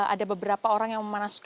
ada beberapa orang yang memanaskan